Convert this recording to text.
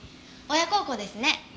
親孝行ですね。